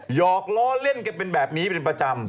หอกล้อเล่นกันเป็นแบบนี้เป็นประจำ